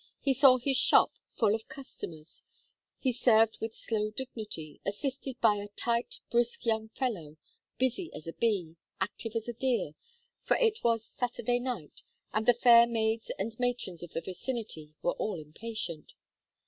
He saw his shop full of customers; he served with slow dignity, assisted by a "tight, brisk young fellow," busy as a bee, active as a deer, for it was Saturday night, and the fair maids and matrons of the vicinity were all impatient.